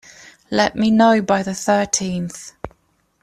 Let me know by the thirteenth.